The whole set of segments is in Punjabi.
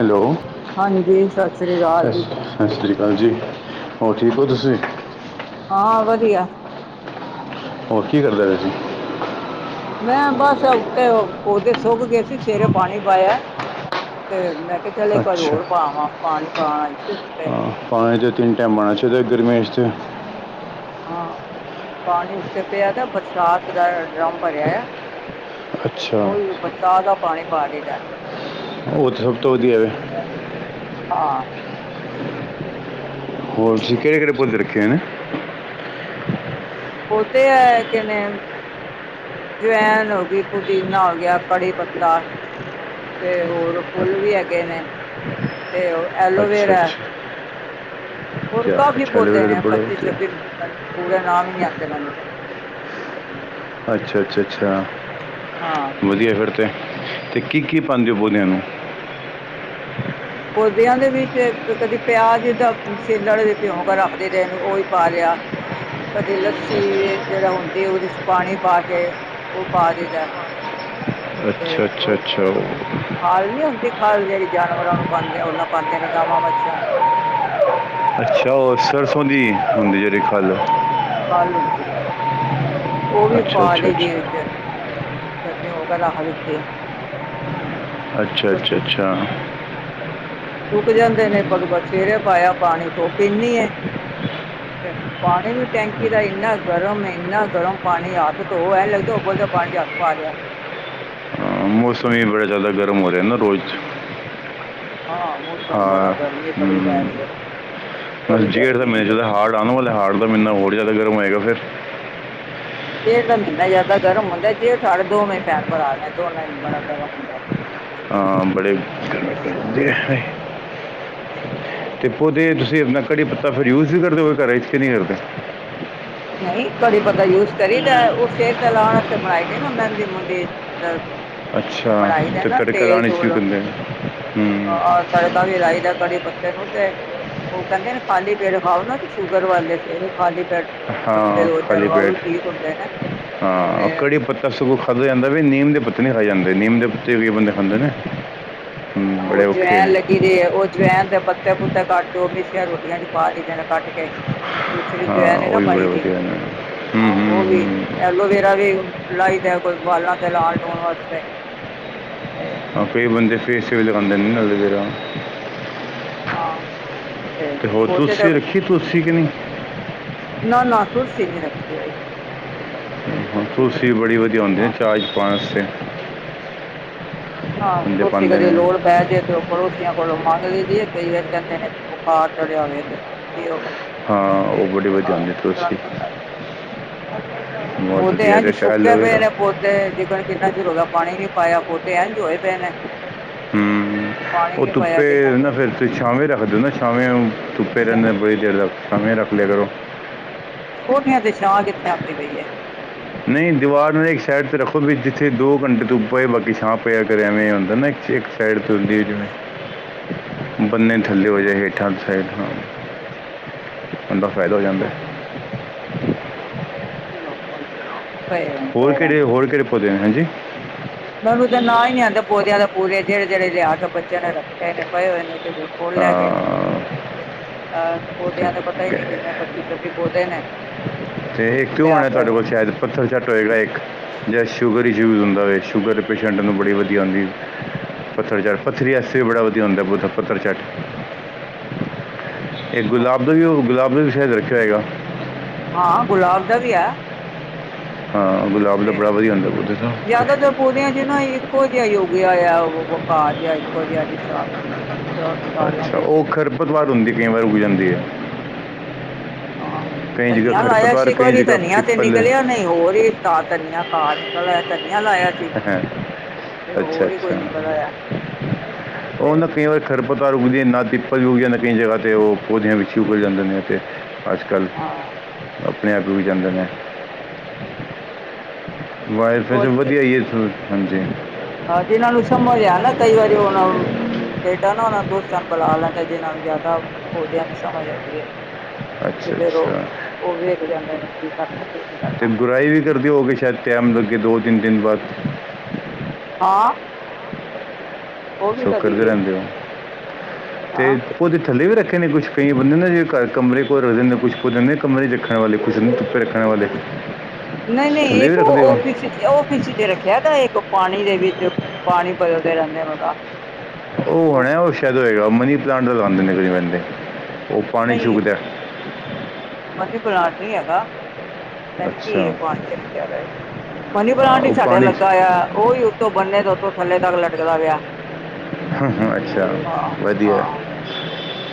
ਹੈਲੋ ਹਾਂਜੀ ਸਾਸ ਸ੍ਰੀ ਕਾਲ ਜੀ। ਸਾ ਸ਼੍ਰੀ ਕਾਲ ਜੀ ਹੋਰ ਠੀਕ ਓ ਤੁਸੀਂ? ਹਾਂ ਵਧੀਆ। ਹੋਰ ਕੀ ਕਰਦੇ ਪੇ ਸੀ? ਮੈਂ ਬਸ ਉੱਤੇ ਪੌਦੇ ਸੋਖ ਗੇ ਸੀ ਸਵੇਰੇ ਪਾਣੀ ਪਾਯਾ ਤੇ ਮੈਂ ਕੇਆ ਚੱਲ ਏਕ ਵਾਰੀ ਅੱਛਾ ਹੋਰ ਪਾਵਾਂ ਪਾਣੀ ਪਾਣ ਆਈ ਸੀ ਉੱਤੇ ਹਾਂ ਪਾਣੀ ਤੇ ਤਿੰਨ ਟਾਈਮ ਪਾਣਾ ਚਾਇਦਾ ਗਰਮੀਆਂ ਚ ਤੇ ਹਾਂ ਪਾਣੀ ਉੱਤੇ ਪਯਾ ਦਾ ਬਰਸਾਤ ਦਾ ਡੱਰਮ ਪਰਿਆ ਹੋਯਾ। ਤੇ ਅੱਛਾ ਓਇਓ ਬਰਸਾਤ ਦਾ ਪਾਣੀ ਪਾਦੀ ਦਾ। ਓ ਸਭ ਤੋਂ ਵਧੀਆ। ਹਾਂ। ਹੋਰ ਤੁਸੀਂ ਕੇੜੇ-ਕੇੜੇ ਪੌਦੇ ਰੱਖੇ ਹੋਏ ਨੇ? ਉਹਦੇ ਆ ਕਹਨੇ ਜਵੈਨ ਹੋਗੀ ਪੁਦੀਨਾ ਹੋ ਗਯਾ ਕੜੀ ਪੱਤਾ ਤੇ ਹੋਰ ਫੁਲ ਵੀ ਹੈਗੇ ਨੇ। ਅਤੇ ਓ ਅੱਛਾ ਐਲੋਵੇਰਾ। ਅੱਛਾ ਹੋਰ ਕਿਆ ਕਾਫੀ ਅੱਛਾ ਪੌਦੇ ਐਲੋਵੇਰਾ ਤੇ ਨੇ ਬੜਾ ਵਧੀਆ ਪੱਚੀ-ਛੱਬੀ ਪੂਰੇ ਨਾਮ ਈ ਨੀ ਆਂਦੇ ਮੇਨੂੰ ਤੇ। ਅੱਛਾ-ਅੱਛਾ-ਅੱਛਾ। ਹਾਂ। ਵਧੀਆ ਫੇਰ ਤੇ ਕੀ-ਕੀ ਪਾਦੇ ਓ ਪੋਦੇਆਂ ਨੂੰ ਪੌਦੇਆਂ ਦੇ ਵਿੱਚ ਕਦੇ ਪਿਆਜ ਦਾ ਛਿਲੜ ਕਦੀ ਪਿਉ ਕੇ ਰੱਖਦੇ ਦੀ ਦੇ ਨੇ ਓਈ ਪਾਾ ਲਯਾ। ਕਦੇ ਲੱਸੀ ਜੇੜਾ ਹੁੰਦੀ ਓਦੇ ਚ ਪਾਣੀ ਪਾ ਕੇ ਓ ਪਾ ਦੀਦਾ। ਅੱਛਾ-ਅੱਛਾ-ਅੱਛਾ। ਖੱਲ ਨੀ ਹੁੰਦੀ ਖੱਲ ਜੇੜੀ ਜਾਨਵਰਾਂ ਨੂੰ ਪਾਦੇ ਓਨਾਂ ਪਾਦੇ ਨੇ ਗਾਵਾਂ-ਮੱਝਾ ਨੂੰ। ਅੱਛਾ ਓ ਸਰਸੋਂ ਦੀ ਹੁੰਦੀ ਜੇੜੀ ਖੱਲ ਖੱਲ ਹੁੰਦੀ ਏ। ਓ ਵੀ ਅੱਛਾ ਪਾ ਅੱਛਾ ਲਈ ਦੀ ਏ ਅੱਛਾ ਵਿੱਚ ਕੱਠੀ ਹੋਈ ਕੇ ਰੱਖ ਦਿੱਤੀ। ਅੱਛਾ-ਅੱਛਾ-ਅੱਛਾ। ਸੁੱਕ ਜਾਂਦੇ ਨੇ [unintelligible] ਸਵੇਰੇ ਪਾਇਆ ਪਾਣੀ ਤੇ ਧੁੱਪ ਏਨੀ ਤੇ ਪਾਣੀ ਵੀ ਟੈਂਕੀ ਦਾ ਇੰਨਾ ਗਰਮ ਇੰਨਾ ਗਰਮ ਪਾਣੀ ਹੱਥ ਧੋ ਐ ਲੱਗਦਾ ਉਹ ਬਲਦਾ ਪਾਣੀ ਚ ਹੱਥ ਪਾ ਲਿਆ ਮੌਸਮ ਈ ਬੜਾ ਜ਼ਿਆਦਾ ਗਰਮ ਹੋ ਰਿਹਾ ਨਾ ਰੋਜ਼ 'ਚ ਹਾਂ ਮੌਸਮ ਬੜਾ ਗਰਮੀ ਬੜੀ ਪੈ ਰਹੀ ਐ ਬੜੀ ਗਰਮੀ ਬਈ [unintelligible] ਹੋਰ ਜ਼ਿਆਦਾ ਗਰਮ ਹੋਏਗਾ ਫ਼ਿਰ ਜੇਠ ਦਾ ਮਹੀਨਾ ਜ਼ਿਆਦਾ ਗਰਮ ਹੁੰਦਾ ਜੇਠ ਹਾੜ ਦੋਵੇਂ ਭੈਣ ਭਰਾ ਨੇ ਦੋਵਾਂ ਚ ਬੜਾ ਗਰਮ ਹੁੰਦਾ ਹਾਂ ਬੜੇ, ਗਨ ਕਰਦੇ ਤੇ ਪੌਦੇ ਵਿਚ ਤੁਸੀਂ ਆਪਣਾ ਕੜੀ ਪੱਤਾ ਫਿਰ ਯੂਜ ਵੀ ਕਰਦੇ ਓ, ਘਰ 'ਚ ਕਿ ਨਈ ਕਰਦੇ। ਨਹੀਂ ਕੜ੍ਹੀ ਪਤਾ ਯੂਜ ਕਰੀਦਾ ਏ, ਉਹ ਸਿਰ ਤੇ ਲਾਣ ਵਾਸਤੇ ਬਣਾਈ ਦੀ ਨਾ ਮਹਿੰਦੀ ਮੁਨਦੀ। ਚ ਅੱਛਾ ਤੇ ਤੜਕਾਦਾਣੀ 'ਚ ਭੁੰਨਦੇ ਨੇ। ਔਰ ਤੜਕਾ ਵੀ ਰਾਈ ਦਾ ਕੜੀ ਪੱਤੇ ਨੂੰ ਤੇ- ਉਹ ਕਹਿੰਦੇ ਨੇ ਖਾਲੀ ਪੇਟ ਖਾਓ ਨਾ ਤੇ ਸ਼ੂਗਰ ਵਾਲੇ ਫਿਰ ਖਾਲੀ ਪੇਟ ਪੱਤੇ ਹਾਂ ਦੋ ਚਾਰ ਖਾਲੀ ਖਾਓ ਪੇਟ ਵੀ ਠੀਕ ਹੁੰਦੇ ਨੇ ਹਾਂ ਤੇ ਕੜੀ ਪੱਤਾ ਸਗੋਂ ਖਾਧਾ ਜਾਂਦਾ। ਵਈ ਨੀਮ ਦੇ ਪੱਤੇ ਨੀ ਖਾਈ ਜਾਂਦੇ। ਨੀਮ ਦੇ ਪੱਤੇ ਵੀ ਕਈ ਬੰਦੇ ਖਾਂਦੇ ਨੇ। ਹੂੰ, ਆਹੋ ਬੜੇ ਔਖੇ ਜਵੈਨ ਨੇ ਲੱਗੀ। ਜੇ ਉਹ ਜਵੈਨ ਦੇ ਪੱਤੇ ਪੁੱਤੇ ਕੱਟ ਕੇ, ਉਹ ਮਿੱਸੀਆਂ ਰੋਟੀਆਂ ਚ ਪਾ ਦਈਦੇ ਨੇ ਕੱਟ ਕੇ। ਦੂਸਰੀ ਹਾਂ ਜਵੈਣ ਨੀ ਉਹ ਨਾ ਵੀ ਬੜੇ ਪਾਈ ਦੀ, ਵਧੀਆ ਨੇ ਹੂੰ ਹਾਂ ਹੂੰ ਉਹ ਵੀ ਹੂੰ ਐਲੋਵੇਰਾ ਵੀ ਲਾਈ ਦੇ ਕੋਈ ਵਾਲਾਂ ਤੇ ਲਾਲ ਡੋਣ ਵਸਤੇ। ਤੇ ਹਾਂ ਕਈ ਬੰਦੇ ਫੇਸ ਤੇ ਵੀ ਲਗਾਉਂਦੇ ਨੇ ਨਾ ਐਲੋਵੇਰਾ। ਹਾਂ ਤੇ ਹੋਰ ਤੁਲਸੀ ਰੱਖੀ ਤੁਲਸੀ ਕਿ ਨੀ। ਨਾ, ਨਾ ਤੁਲਸੀ ਨਹੀਂ ਰੱਖੀ ਹੋਈ। ਤੁਲਸੀ ਨੀ ਤੁੁਲਸੀ ਬੜੀ ਰੱਖੀ ਵਧੀਆ ਹੁੰਦੀ, ਹਾਂ ਚਾਅ 'ਚ ਪਾਣ ਵਸੇ। ਹਾਂ, ਬੰਦੇ ਤੁਸੀਂ ਪਾਉਂਦੇ ਕਦੇ ਨੇ ਲੋੜ ਪੈ ਜੇ ਤੇ ਓ ਪੜੋਸੀਆਂ ਕੋਲੋਂ ਮੰਗ ਲਈ ਦੀਏ।। ਈ ਵਾਰੀ ਕੈਂਦੇ ਨੇ ਬੁਖਾਰ ਚੜਿਆ ਹੋਵੇ ਤੇ ਓ- ਹਾਂ ਉਹ ਤੇ ਬੜੀ ਵਧੀਆ ਹੁੰਦੀ ਤੁਲਸੀ ਹਾਂ [unintelligible] ਬਹੁਤ ਪੌਦੇ ਐਂ ਵਧੀਆ ਜਿਵੇਂ ਤੇ ਚਾਹ ਸੁੱਕੇ ਪਏ ਐਲੋਵੇਰਾ ਨੇ, ਪੌਦੇ ਤੇ ਜਿਕਰ ਕਿੰਨਾ ਚਿਰ ਹੋ ਪਾਣੀ ਨੀ ਪਾਇਆ, ਪੌਦੇ ਐਜ਼ ਹੋਏ ਪਏ ਨੇ। ਹਮ, ਪਾਣੀ ਉਹ ਨੀ ਪਾਇਆ ਧੁੱਪੇ ਕਿੰਨਾ ਹੋਏ ਨਾ ਚਿਰ ਫਿਰ ਨੇ ਤੇ ਸ਼ਾਵੇਂ ਰੱਖ ਦੇ ਓ ਨਾ ਸ਼ਾਵੇਂ ਧੁੱਪੇ ਰੈਂਦੇ ਬੜੀ ਦੇਰ ਤਕ, ਸ਼ਾਵੇਂ ਰੱਖ ਲਿਆ ਕਰੋ। ਕੋੋਠਿਆਂ ਤੇ ਛਾਂ ਕਿੱਥੇ ਆਂਦੀ ਪਈ ਏ। ਨਹੀਂ ਦੀਵਾਰ ਨਾਲ ਇੱਕ ਸਾਈਡ 'ਤੇ ਰੱਖੋ, ਵੀ ਜਿੱਥੇ ਦੋ ਘੰਟੇ ਤੋਂ ਪਏ ਬਾਕੀ ਛਾ ਪਿਆ ਕਰ ਐਵੇਂ ਹੁੰਦਾ ਨਾ ਇੱਕ- ਇੱਕ ਪੈਡ ਧੁਲੀ ਜਿਵੇਂ। ਬੰਨੇ ਕਿਸ ਥੱਲੇ ਤੋਂ ਹੋਜੇ ਹੇਠਾਂ ਦੀ ਸਾਇਡ ਤੋਂ। ਬੰਦਾ ਫ਼ਾਇਦਾ ਹੋ ਜਾਂਦਾ। ਪ ਹੀ [unintelligible] ਹੋਰ ਕਿਹੜੇ, ਹੋਰ ਕਿਹੜੇ ਪੌਦੇ ਨੇ ਹੈਂ ਜੀ? ਮੈਨੂੰ ਤਾਂ ਨਾ ਈ ਨੀ ਆਂਦੇ ਪੋਦਿਆਂ ਦੇ ਪੂਰੇ, ਜੇੜੇ ਜੇੜੇ ਲਿਆ ਕੇ ਬੱਚਿਆਂ ਨੇ ਰੱਖੇ ਨੇ ਪਏ ਹੋਏ ਨੇ। ਇਹ ਕੋਲ ਲੈਗੇ ਨੇ। ਅਹ, ਪੌਦਿਆਂ ਦਾ ਪਤਾ ਨਹੀਂ, ਤੇ- ਕਿਨੇ ਪੱਚੀ ਪੌਦੇ ਨੇ। ਤੇ ਉਹ ਇਕ ਓ ਲਿਆ ਹੋਣਾ ਕੇ ਤੁਹਾਡੇ ਕੋਲ ਸ਼ਾਹਿਦ। ਪੱਥਰ ਚਟ ਹੋਏਗਾ ਇੱਕ, ਜਿਹੜਾ ਸ਼ੂਗਰ ਚ ਯੂਜ ਹੁੰਦਾ ਹੋਵੇ, ਸ਼ੂਗਰ ਪੇਸ਼ੈਂਟ ਨੂੰ ਬੜੀ ਵਧੀਆ ਹੁੰਦੀ। ਪੱਥਰਚੱਟ ਪੱਥਰੀ ਆਸੇ ਵੀ ਬੜਾ ਵਧੀਆ ਹੁੰਦਾ ਪੋੌਦਾ ਪੱਥਰ ਚੱਟ। ਏ ਗੁਲਾਬ ਦਾ ਵੀ ਓ ਗੁਲਾਬ ਦਾ ਵੀ ਸੈ਼ਦ ਰੱਖਿਆ ਹੋਏਗਾ। ਹਾਂ ਗੁਲਾਬ ਦਾ ਵੀ ਐ। ਹਾਂ ਗੁਲਾਬ ਦਾ ਬੜਾ ਵਧੀਆ ਹੁੰਦਾ ਪੌਦੇ ਤੋਂ। ਉਹਦਿਆਂ ਚ ਨਾ ਇੱਕੋ ਜਿਹਾ ਉਗ ਆਇਆ, ਉਹ ਘਾਹ ਜਿਹਾ ਇੱਕੋ ਜਿਹਾ ਸਾਰਿਆਂ ਅੱਛਾ ਦੇ ਓ ਵਿੱਚ ਖਰਪਤ ਲਾ ਦਿੰਦੀ ਕਈ ਵਾਰ ਉਗ ਜਾਂਦੀ ਐ। ਹਾਂ ਕਈ ਜਗ੍ਹਾ ਧਨੀਆ ਲਾਇਆ ਸੀ ਖਰਪਤਵਾਰ ਇੱਕ ਕਈ ਵਾਰੀ, ਜਗ੍ਹਾ ਧਨੀਆ ਤੇ ਪਿੱਪਲ ਹੈ ਨਿਕਲਿਆ ਨਹੀਂ ਹੋਰ ਹੀ, ਤਾਂ ਧਨੀਆ ਪਾਅ ਨਿਕਲਦਾ, ਧਨੀਆ ਲਾਇਆ- ਸੀ ਐ ਹੈਂ। ਤੇ ਅੱਛਾ, ਹੋਰ ਹੀ ਕੋਈ ਅੱਛਾ ਨਿਕਲ ਆਇਆ ਉਹ ਤੇ ਨਾ ਕਈ ਵਾਰ ਸਰਬੱਤਾ ਰੁਕਦੀ, ਨਾ ਤਿੱਪਲ ਰੁਕਦੀ ਕਈ ਜ੍ਹਗਾ ਤੇ ਓ ਪੌਦਿਆਂ ਵਿੱਚ ਈ ਉਗ ਹੋ ਜਾਂਦੇ ਨੇ ਤੇ। ਅੱਜ ਕਲ- ਹਾਂ ਆਪਣੇ ਆਗੂ ਵੀ ਜਾਂਦੇ ਨੇ। [unintelligible] [inaudible] ਹਾਂਜੀ ਹਾਂ ਜਿਹਨਾਂ ਨੂੰ ਸਮਝ ਲਿਆ ਨਾ ਕਈ ਵਾਰੀ ਹੋਣ ਬੇਟਾ ਨਾ ਉਹਨਾਂ ਦੋਸਤਾਂ ਨੂੰ ਬੁਲਾ ਲੈਂਦਾ ਜਿਹਨਾ ਨੂੰ ਜਿਆਦਾ ਅਹੁਦਿਆਂ ਦੀ ਸਮਝ ਹੇਗੀ ਐ ਤੇ ਅੱਛਾ ਫੇਰ ਅੱਛਾ ਉਹ ਉਹ ਵੇਖ ਜਾਂਦੇ ਨੇ ਕੀ ਕਰਨਾ ਕੀ ਨਹੀਂ ਤੇ ਕਰਨਾ [unintelligible] ਵੀ ਕਰਦੀ ਹੋ ਕੇ ਸ਼ਾਇਦ ਟੈਮ ਲੱਗੇ ਦੋ ਤਿੰਨ ਦਿਨ ਬਾਅਦ ਹਾਂ ਉਹ [unintelligible] ਵੀ ਕਰੀ ਦੇ ਦਿਓ ਅਤੇ ਹਾਂ ਪ ਉਹਦੇ ਥੱਲੇ ਵੀ ਰੱਖੇ ਨੇ ਕੁਛ ਕਈ ਬੰਦੇ ਨੇ ਜਿ ਘਰ ਕਮਰੇ ਕੋਲ ਰੱਖਦੇ ਨੇ ਕੁਛ ਕੁਦੇ ਕੰਮ ਨ ਰੱਖਣ ਵਾਲੇ ਕੁਛ ਨ ਧੁੱਪੇ ਰੱਖਣ ਵਾਲੇ ਨਹੀਂ ਨਹੀਂ ਥੱਲੇ ਵੀ ਇੱਕ ਰੱਖਦੇ ਓ ਉਹ ਫਿਸ ਉਹ ਫੀ ਸੀ ਤੇ ਰੱਖਿਆ ਤਾਂ ਇੱਕ ਪਾਣੀ ਦੇ ਵਿੱਚ ਪਾਣੀ ਬਦਲਦੇ ਰਹਿੰਦੇ ਨੇ ਉਹਦਾ ਉਹ ਹੋਣ ਉਹ ਸ਼ਾਇਦ ਹੋਏਗਾ ਮਨੀ ਪਲਾਂਟ ਦਾ ਲਗਾਉਂਦੇ ਨੇ ਕਲੀ ਬੰਦੇ ਉਹ ਪਾਣੀ ਨਹੀਂ ਚੁਕਦੇ [unintelligible] ਪਲਾਂਟ ਨੀ ਹੈਗਾ ਪਤਾ ਨੀ ਕੀ ਅੱਛਾ ਏ [unintelligible] ਮਨੀ ਹਾਂ, ਪਲਾਂਟ ਈ ਉਹ ਸਾਡਾ ਪਾਣੀ 'ਚ ਲੱਗਾ ਹੋਇਆ ਉਹੀ ਉੱਥੋਂ ਬੰਨੇ ਤੇ ਉੱਥੋਂ ਥੱਲੇ ਤੱਕ ਲਟਕਦਾ ਪਿਆ ਅੱਛਾ ਹਾਂ ਵਧੀਆ ਹਾਂ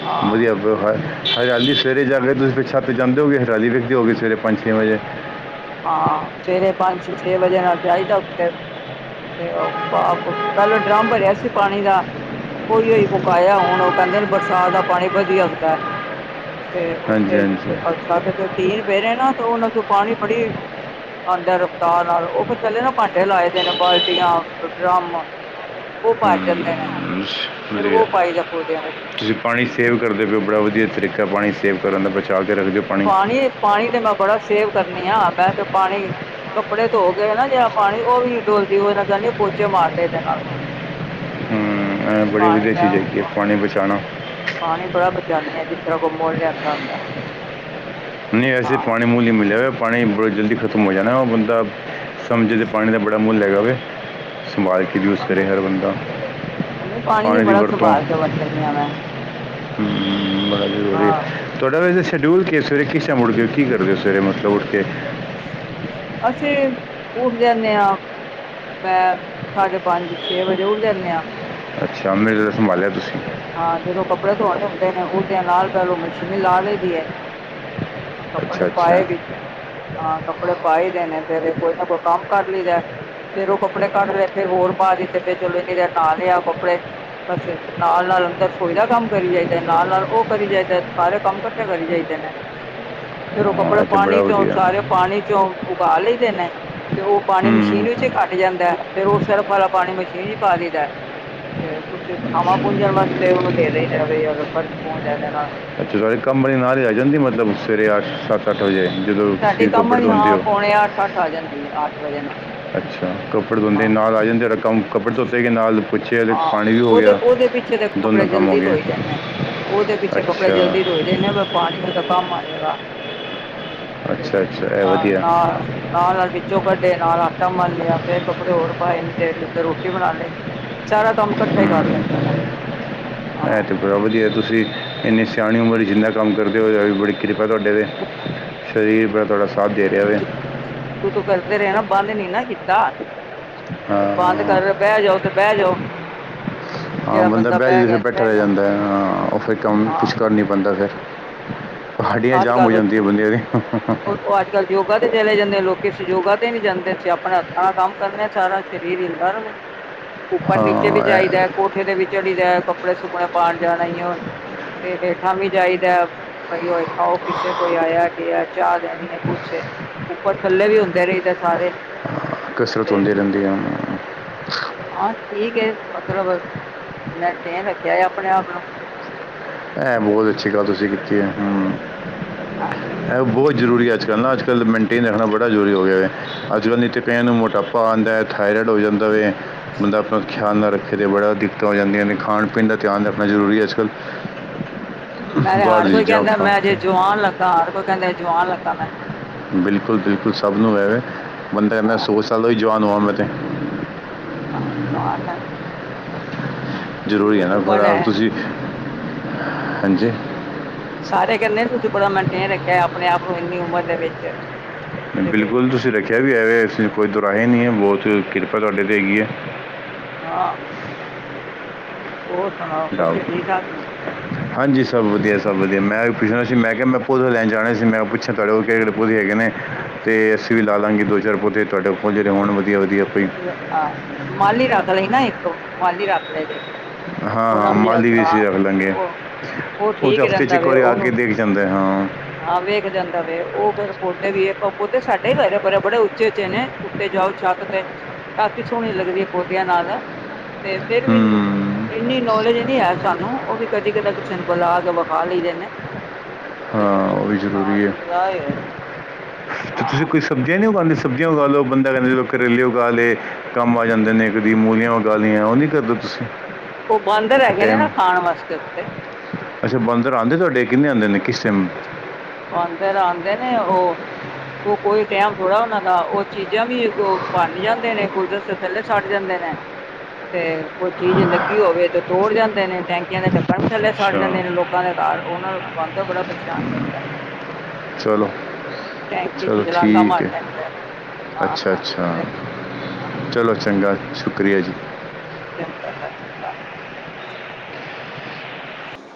ਹਾਂ ਵਧੀਆ ਹਰਿਆਲੀ ਸਵੇਰੇ ਜਾ ਤੁਸੀਂ [unintelligible] ਜਾਂਦੇ ਹੋਗੇ ਹਰਿਆਲੀ ਵੇਖਦੇ ਹੋਗੇ ਸਵੇਰੇ ਪੰਜ ਛੇ ਵਜੇ ਹਾਂ ਸਵੇਰੇ ਪੰਜ ਛੇ ਵਜੇ ਨਾਲ ਜਾਈ ਦਾ ਤੇ ਉਹ ਪਾਪ ਪਹਿਲਾਂ ਡਰਮ ਭਰਿਆ ਸੀ ਪਾਣੀ ਦਾ ਉਹੀ ਉਹੀ [unintelligible] ਹੁਣ ਉਹ ਕਹਿੰਦੇ ਨੇ ਬਰਸਾਤ ਦਾ ਪਾਣੀ ਵਧੀਆ ਹੁੰਦਾ ਹੈ ਤੇ ਹਾਂਜੀ ਉੱਥੇ ਹਾਂਜੀ ਅੱਛਾ ਤੇ ਟੀਨ ਪੇ ਰਹੇ ਨਾ ਤੇ ਉਹਨਾਂ ਚੋਂ ਪਾਣੀ ਬੜੀ ਆਉਂਦਾ ਰਫਤਾਰ ਨਾਲ ਉਹ ਫ ਚੱਲੇ ਨਾ ਭਾਂਡੇ ਲਾਏ ਦੇ ਨੇ ਬਾਲਟੀਆਂ ਡਰਮ ਉਹ ਭਰ ਜਾਂਦੇ ਨੇ ਹਮ, ਸ਼- ਫਿਰ ਵਧੀਆ ਉਹ ਪਾਈ ਦਾ ਪੌਦਿਆਂ ਦੇ ਵਿੱਚ ਤੁਸੀਂ ਪਾਣੀ ਸੇਵ ਕਰਦੇ ਪਏ ਓ ਬੜਾ ਵਧੀਆ ਤਰੀਕਾ ਪਾਣੀ ਸੇਵ ਕਰਨ ਦਾ ਬਚਾਅ ਕੇ ਰੱਖ ਦਿਓ ਪਾਣੀ ਪਾਣੀ ਤੇ ਮੈਂ ਬੜਾ ਸੇਵ ਕਰਨੀ ਆ ਮੈਂ ਤੇ ਪਾਣੀ ਕੱਪੜੇ ਧੋ ਗਏ ਨਾ ਜਿਹੜਾ ਪਾਣੀ ਉਹ ਵੀ ਨਈ ਡੋਲਦੀ ਉਹ ਨਾਲ ਕਹਿੰਦੀ ਪੋਚੇ ਮਾਰਦੇ ਇਹਦੇ ਨਾਲ ਹੂੰ ਬੜੀ ਪਾਣੀ ਮੈਂ [unintelligible] ਹੈ ਪਾਣੀ ਬਚਾਉਣਾ ਪਾਣੀ ਬੜਾ ਬਚਾਉਂਦੇ ਆ ਜਿਸ ਤਰ੍ਹਾਂ ਕੋਈ ਮੋਲ ਲਿਆਂਦਾ ਹੁੰਦਾ ਨਹੀਂ ਐਸੇ ਹਾਂ ਪਾਣੀ ਮੂਲ ਨਈ ਮਿਲੇਗਾ ਪਾਣੀ ਬੜੀ ਜਲਦੀ ਖਤਮ ਹੋ ਜਾਣਾ ਉਹ ਬੰਦਾ ਸਮਝੇ ਜੇ ਪਾਣੀ ਦਾ ਬੜਾ ਮੁੱਲ ਹੈਗਾ ਹੋਵੇ [unintelligible] ਵੀ ਉਸੇ ਹਰ ਬੰਦਾ [unintelligible] ਪਾਣੀ ਨੂੰ ਬੜਾ ਸੰਭਾਲ ਕੇ ਵਰਤਣੀ ਆ ਮੈਂ ਹੂੰ ਹਾਂ ਤੁਹਾਡਾ ਵ ਸ਼ਡਊਲ ਕਿਸ [unintelligible] ਸਵੇਰੇ ਕਿਸਛ ਉੱਠ ਗ ਕੀ ਕਰਦੇ ਹੋ ਸਵੇਰੇ ਮਤਲਬ ਉਠ ਕੇ ਅਸੀਂ ਉੱਠ ਜਾਂਦੇ ਹਾਂ ਮੈਂ ਸਾਢੇ ਪੰਜ ਛੇ ਵਜੇ ਉੱਠ ਜਾਂਦੇ ਆ ਅੱਛਾ [unintelligible] ਜਾ ਸੰਭਾਲਿਆ ਤੁਸੀਂ ਹਾਂ ਜਦੋਂ ਕੱਪੜੇ ਧੋਣੇ ਹੁੰਦੇ ਨੇ ਉਠਦਿਆਂ ਨਾਲ ਪਹਿਲੋਂ ਮਸ਼ੀਨ ਲਾ ਲਈ ਦੀ ਐ ਕੱਪੜੇ ਅੱਛਾ ਅੱਛਾ ਪਾਏ ਵਿੱਚ ਹਾਂ ਕੱਪੜੇ ਪਾਏ ਹੀ ਦੇ ਨੇ ਫੇਰ ਕੋਈ ਨਾ ਕੋਈ ਕੰਮ ਕਰ ਲਈਦਾ ਫੇਰ ਉਹ ਕੱਪੜੇ ਕੱਟ ਲਏ ਫੇਰ ਹੋਰ ਬ ਤੇ ਫਰ ਚਲੋ ਇੰਨੀ ਦੇਰ ਨਾਲ ਲਿਆ ਕੱਪੜੇ ਬ ਨਾਲ ਅੰਦਰ ਰਸੋਈ ਦਾ ਕੰਮ ਕਰੀ ਜਾਈਦਾ ਨਾਲ ਨਾਲ ਉਹ ਕਰੀ ਜਾਈਦਾ ਸਾਰੇ ਕੰਮ ਇਕੱਠੇ ਕਰੀ ਜਾਈਦੇ ਨੇ ਫਿਰ ਉਹ ਹਾਂ ਕੱਪੜੇ ਇਹ ਤੇ ਬੜਾ ਪਾਣੀ ਚੋਂ ਵਧੀਆ ਸਾਰੇ ਪਾਣੀ ਚੋਂ ਉਗਾ ਲਈਦੇ ਨੇ ਤੇ ਉਹ ਪਾਣੀ ਹੂੰ ਮਸ਼ੀਨ ਵਿੱਚ ਹੂੰ। ਘੱਟ ਜਾਂਦਾ ਫਿਰ ਉਹ ਸਰਫ ਵਾਲਾ ਪਾਣੀ ਮਸ਼ੀਨ ਚ ਹੀ ਪਾ ਦਈਦਾ ਤੇ ਕੁਛ ਥਾਂਵਾਂ ਪੂੰਜਣ ਵਾਸਤੇ ਉਹਨੂੰ ਦੇ ਦਈਦਾ ਬਈ ਆ ਲੈ ਫਰਸ਼ ਪੁੰਜ ਇਹਦੇ ਨਾਲ ਅੱਛਾ ਬਾਈ ਕਮਰੇ ਨਾਲ ਹੀ ਆ ਜਾਂਦੀ ਮਤਲਬ ਸਵੇਰੇ ਅੱਠ ਸੱਤ ਘੱਟ ਹੋ ਜਾਏ ਜਦੋਂ ਸਾਡੇ ਤੁਸੀ ਕੰਮ ਕੱਪੜੇ ਦੀ ਧੋਂਂਦੇ ਹਾਂ ਹੋ ਪੌਣੇ ਅੱਠ ਅੱਠ ਆ ਜਾਂਦੀ ਹੈ ਅੱਠ ਵਜੇ ਨਾਲ ਅੱਛਾ ਕੱਪੜੇ ਧੋਂਦੇ ਹਾਂ ਨਾਲ ਆ ਜਾਂਦੇ ਤਾਂ ਕੰਮ ਕੱਪੜੇ ਧੋਤੇ ਗਏ ਨਾਲ ਪੁੱਛੇ ਹੇ ਹਾਂ ਪਾਣੀ ਵੀ ਹੋ ਉਹਦੇ ਗਿਆ ਉਹਦੇ ਪਿੱਛੇ ਦੇ ਦੋਨੋਂ ਕੱਪੜੇ ਕੰਮ ਹੋ ਜਲਦੀ ਗਏ ਧੋਈ ਜਾਂਦੇ ਆ। ਉਹਦੇ ਪਿੱਛੇ ਕੱਪੜੇ ਅੱਛਾ ਜਲਦੀ ਧੋਈਦੇ ਨੇ ਪਾਣੀ ਉਹਦੇ ਕੰਮ ਆ ਜਾਏਗਾ ਅੱਛਾ ਅੱਛਾ ਇਹ ਆ ਆ ਵਧੀਆ ਨਾਲ ਨਾਲ ਵਿੱਚੋਂ ਕੱਢੇ ਨਾਲ ਆਟਾ ਮਲ ਲਿਆ ਫੇਰ ਕੱਪੜੇ ਹੋਰ ਪਾਏ ਇਨੀ ਦੇਰ ਨੂੰ ਤੇ ਰੋਟੀ ਬਣਾ ਲਈ ਸਾਰਾ ਕੰਮ ਕੱਠਾ ਹੀ ਕਰ ਲੈਂਦੀ ਹਾਂ ਮੈਂ ਇਹ ਹਾਂ ਤੇ ਬੜਾ ਵਧੀਆ ਤੁਸੀਂ ਇੰਨੀ ਸਿਆਣੀ ਉਮਰ ਜਿੰਨਾ ਕੰਮ ਕਰਦੇ ਹੋ ਵੀ ਬੜੀ ਕਿਰਪਾ ਤੁਹਾਡੇ ਦੇ ਸਰੀਰ ਬੜਾ ਤੁਹਾਡਾ ਸਾਥ ਦੇ ਰਿਹਾ ਵੇ ਸ਼ੁਰੂ ਤੋਂ ਕਰਦੇ ਰਹੇ ਨਾ ਬੰਦ ਨਹੀ ਨਾ ਕੀਤਾ ਤੇ ਹਾਂ ਬੰਦ ਕਰ ਬਹਿ ਜਾਓ ਤੇ ਬਹਿ ਜਾਓ ਹਾਂ ਜਿਹੜਾ ਬੰਦਾ ਬਹਿ ਜਾਂਦਾ ਫਿਰ ਗਿਆ ਤੇ ਬੈਠਾ ਬਹਿ ਰਹਿ ਗਿਆ ਜਾਂਦਾ ਹਾਂ ਉਹ ਫਿਰ ਕੰਮ ਕੁਛ ਕਰ ਹਾਂ ਨੀ ਪਾਂਦਾ ਫਿਰ ਹਡੀਆਂ ਜਾਮ ਹੋ ਜਾਂਦੀਆਂ ਬੰਦਿਆਂ ਦੀ ਉਹ ਉਹ ਅੱਜ ਕੱਲ੍ਹ ਯੋਗਾ ਤੇ ਚਲੇ ਜਾਂਦੇ ਆ ਲੋਕੀ ਅਸੀ ਯੋਗਾ ਤੇ ਨੀ ਜਾਂਦੇ ਅਸੀਂ ਆਪਣੇ ਹੱਥਾਂ ਨਾਲ ਕੰਮ ਕਰਨੇ ਆ ਸਾਰਾ ਸਰੀਰ ਹਿਲਦਾ ਰਵੇ ਉੱਪਰ ਨੀਚੇ ਵੀ ਹਾਂ ਜਾਈਦਾ ਇਹ ਕੋਠੇ ਤੇ ਵੀ ਚੜੀ ਜਾ ਕੱਪੜੇ ਸੁੱਕਣੇ ਪਾਉਣ ਜਾਣਾ ਉਹ ਤੇ ਹੇਠਾਂ ਵੀ ਜਾਈਦਾ ਬਈ ਉਹ ਹੇਠਾਂ ਉਹ ਪਿੱਛੇ ਕੋਈ ਆਇਆ ਗਿਆ ਚਾਹ ਲੈਣੀ ਹੈ ਕੁਛ ਹੈ ਉੱਪਰ ਥੱਲੇ ਵੀ ਹੁੰਦੇ ਰਈਦਾ ਸਾਰੇ ਕਸਰਤ ਤੇ ਹੁੰਦੀ ਰਹਿੰਦੀ ਹੈ ਹਨ ਹਾਂ ਠੀਕ ਏ ਮਤਲਬ ਮੈਂ ਤੇ ਏ ਰੱਖਿਆ ਹੈ ਆਪਣੇ ਆਪ ਨੂੰ ਇਹ ਬਹੁਤ ਅੱਛੀ ਗੱਲ ਤੁਸੀਂ ਕੀਤੀ ਹੈ ਹਮ ਹਾਂ ਇਹ ਉਹ ਬਹੁਤ ਜ਼ਰੂਰੀ ਅੱਜ ਕੱਲ੍ਹ ਨਾ ਅੱਜ ਕੱਲ ਮਨਟੇਨ ਰੱਖਣਾ ਬੜਾ ਜ਼ਰੂਰੀ ਹੋ ਗਿਆ ਵੇ ਅੱਜ ਕੱਲ੍ਹ ਨਹੀ ਤਾਂ ਪਿਆ ਨੂੰ ਮੋਟਾਪ ਪਾਦਾ ਥਾਇਰਾਇਡ ਹੋ ਜਾਂਦਾ ਵੇ ਬੰਦਾ ਆਪਣਾ ਖਿਆਲ ਨਾਲ ਰੱਖੇ ਅਤੇ ਬੜਾ ਦਿੱਕਤਾਂ ਆ ਜਾਂਦੀਆਂ ਨੇ ਖਾਣ ਖਾਣ ਪੀਣ ਦਾ ਧਿਆਨ ਰੱਖਣਾ ਜ਼ਰੂਰੀ ਅੱਜ ਕੱਲ ਮੈਂ ਹਰ ਕੋਈ ਕਹਿੰਦਾ ਖਾ ਮੈਂ ਕੇ ਜੇ ਜੁਆਾਨ ਲੱਗਾ ਹਰ ਕੋਈ ਕਹਿੰਦਾ ਜੁਆਾਨ ਲੱਗਾ ਮੈਂ ਬਿਲਕੁਲ ਬਿਲਕੁਲ ਸਭ ਨੂੰ ਐ ਵੇ ਬੰਦਾ ਮੈਂ ਹਾਂ ਸੌ ਸਾਲੋਂ ਹੀ ਜਵਾਨ ਹੋਵਾਂ ਮੈਂ ਤੇ ਹਾਂ ਜਵਾਨ ਹੈ ਇੰਨੀ ਜ਼ਰੂਰੀ ਹੈ ਨਾ ਪਰ ਉਮਰ ਆਪ ਤੁਸੀਂ ਹਾਂਜੀ ਸਾਰੇ ਕਹਿੰਦੇ ਤੁਸੀਂ ਬੜਾ ਮੈਂਟੇਨ ਰੱਖਿਆ ਆਪਣੇ ਆਪ ਨੂੰ ਇੰਨੀ ਉਮਰ ਦੇ ਵਿੱਚ ਤੇ ਬਈ ਬਿਲਕੁਲ ਤੁਸੀਂ ਰੱਖਿਆ ਵੀ ਹੈ ਵੇ ਇਸ ਵਿੱਚ ਕੋਈ ਦੁਰਾਏ ਨਹੀਂ ਹੈ ਬਹੁਤ ਕਿਰਪਾ ਤੁਹਾਡੇ 'ਤੇ ਹੈਗੀ ਹੈ ਹਾਂ ਹੋਰ ਸੁਣਾਓ ਬੱਚੇ ਠੀਕ ਠਾਕ ਨੇ ਹ ਹਾਂਜੀ ਸਭ ਵਧੀਆ ਸਭ ਵਧੀਆ ਮੈਂ ਵੀ ਪੁੱਛਣਾ ਸੀ ਮੈਂ ਕਿਹਾ ਮੈਂ ਪੌਦੇ ਲੈਣ ਜਾਣਾ ਸੀ ਮੈਂ ਪੁੱਛਿਆ ਤੁਹਾਡੇ ਕੋਲ ਕਿਹੜੇ ਕਿਹੜੇ ਪੋਦੇ ਹੈਗੇ ਨੇ ਅਤੇ ਅਸੀਂ ਵੀ ਲਾ ਲਵਗੇ ਦੋ ਚਾਰ ਪੌਦੇ ਤੁਹਾਡੇ ਪੌਦੇ ਜਿਹੜੇ ਹੋਣ ਵਧੀਆ ਵਧੀਆ ਕੋਈ ਹਾਂ ਮਾਲੀ ਰੱਖ ਲਈ ਨਾ ਇੱਕ ਮਾਲੀ ਰੱਖ ਲਈ ਇੱਕ ਹਾਂ ਹਾਂ ਮਾਲੀ ਵੀ ਅਸੀਂ ਰੱਖ ਲਾਂਗੇ ਉਹ ਉਹ ਤੇ ਠੀਕ ਹਫ਼ਤੇ ਚ ਰਹਿੰਦਾ ਇੱਕ ਵੇ ਵਾਰੀ ਆ ਕੇ ਉਹਨੂੰ ਦੇਖ ਜਾਂਦਾ ਹਾਂ ਹਾਂ ਵੇਖ ਜਾਂਦਾ ਵੇ ਉਹ ਫੇਰ ਪੌਦੇ ਵੀ ਏ ਪੌਦੇ ਸਾਡੇ ਵੀ ਘਾਰੇ ਬੜੇ-ਬੜੇ, ਉੱਚੇ-ਉੱਚੇ ਨੇਂ। ਤੇ ਜਾਓ ਛੱਤ ਤੇ ਛੱਤ ਸੋਹਣੀ ਲੱਗਦੀ ਐ ਪੌਦਿਆਂ ਨਾਲ ਤੇ ਫੇਰ ਵੀ ਹੂੰ ਇੰਨੀ ਨੌਲੇਜ ਨ੍ਹੀਂ ਐ ਸਾਨੂੰ ਉਹ ਵੀ ਕਦੀ-ਕਦਾ ਕਿਸੇ ਨੂੰ ਬੁਲਾ ਕੇ ਵਿਖਾ ਲਈਦੇ ਨੇ। ਹਾਂ ਅੱਛਾ, ਉਹ ਵੀ ਜ਼ਰੂਰੀ ਪਲਾਂਟ ਹੈ ਲਾਏ ਹੋਏ ਨੇਂ। ਤੁਸੀਂ ਕੋਈ ਸਬਜ਼ੀਆਂ ਨ੍ਹੀਂ ਉਗਾਂਦੇ ਸਬਜ਼ੀਆਂ ਉਗਾ ਲਓ, ਬੰਦਾ ਕਹਿੰਦੇ ਕਰੇਲੇ ਉਗਾ ਲਏ ਕੰਮ ਆ ਜਾਂਦੇ ਨੇ। ਕਦੀ ਮੂਲੀਆਂ ਉਗਾ ਲੀਆਂ ਉਹ ਨੀ ਕਰਦੇ ਤੁਸੀਂ। ਉਹ ਬਾਂਦਰ ਹੈਗੇ ਨੇ ਨਾ ਟਾਈਮ ਖਾਣ ਵਾਸਤੇ ਉੱਤੇ ਅੱਛਾ ਬਾਂਦਰ ਆਂਦੇ ਤੁਆਡੇ ਕਿੰਨੇ ਆਂਦੇ ਨੇ, ਕਿਸ ਟਾਈਮ? ਬਾਂਦਰ ਆਂਦੇ ਨੇ ਉਹ ਉਹ ਕੋਈ ਟਾਈਮ ਥੋੜਾ ਉਹਨਾਂ ਦਾ ਉਹ ਚੀਜ਼ਾਂ ਵੀ ਭੰਣ ਜਾਂਦੇ ਨੇ ਥੱਲੇ ਛੱਡ ਜਾਂਦੇ ਨੇ। ਤੇ ਕੋਈ ਚੀਜ਼ ਲੱਗੀ ਹੋਵੇ ਤੇ ਤੋੜ ਜਾਂਦੇ ਨੇ, ਟੈਂਕੀਆਂ ਦੇ ਟੱਕਣ ਵੀ ਥੱਲੇ ਸੜ ਅੱਛਾ ਜਾਂਦੇ ਨੇ ਲੋਕ ਲੋਕਾਂ ਦੇ ਘਰ ਉਹਨਾਂ ਨੂੰ ਬਾਂਦ ਬੜਾ ਪਰੇਸ਼ਾਨ ਕਰਦਾ। ਚਲੋ। ਟੈਂਕੀ ਚ ਚਲੋ ਛਲਾਂਗਾਂ ਠੀਕ ਹੈ ਮਾਰਦਾ ਰੈਂਦਾ। ਹਾਂ, ਅੱਛਾ ਅੱਛਾ ਹਾਂ। ਹਾਂ ਚਲੋ ਚੰਗਾ ਸ਼ੁਕਰੀਆ ਜੀ। [inaudible] [inaudible]